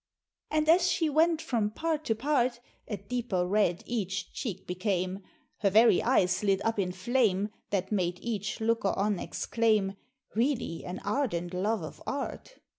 And as she went from part to part, A deeper red each cheek became, Her very eyes lit up in flame, That made each looker on exclaim, "Really an ardent love of art!"